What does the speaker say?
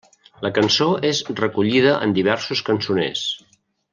La cançó és recollida en diversos cançoners.